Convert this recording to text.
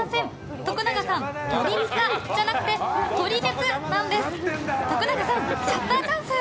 徳永さん、撮り塚じゃなくて撮り鉄なんです。